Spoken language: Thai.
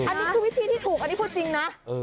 อันนี้คือวิธีที่ถูกอันนี้พูดจริงนะ